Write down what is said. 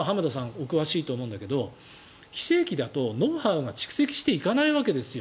お詳しいと思うんだけど非正規だとノウハウが蓄積していかないわけですよ。